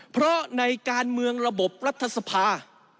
เพราะในการเมืองระบบรัฐสภา